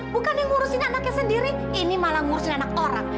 bukan yang ngurusin anaknya sendiri ini malah ngurusin anak orang